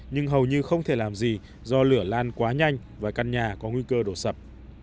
nhưng hầu như không thể làm gì do lửa lan quá nhanh và căn nhà có nguy cơ đổ sập